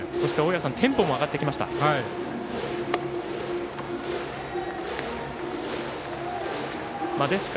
テンポも上がってきました。